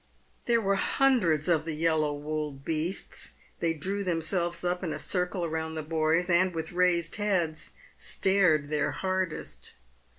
There were hundreds of the yellow woolled beasts. They drew themselves up in a circle around the boys, and, with raised heads, stared their hardest.